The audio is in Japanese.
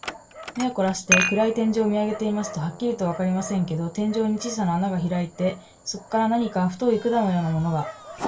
目をこらして、暗い天井を見あげていますと、はっきりとはわかりませんけれど、天井に小さな穴がひらいて、そこから何か太い管のようなものが、